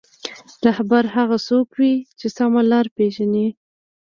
رهبر هغه څوک وي چې سمه لاره پېژني.